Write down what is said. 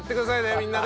みんなで。